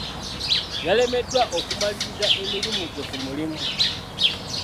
Yalemeddwa okumaliriza emirimu gye ku mulimu.